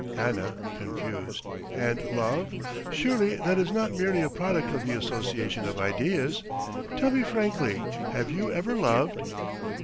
ANNA (confused): And love? Surely that is not merely a product of the association of ideas? Tell me frankly, have you ever loved?